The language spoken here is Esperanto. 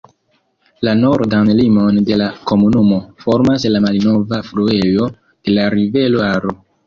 La nordan limon de la komunumo formas la malnova fluejo de la rivero Aro.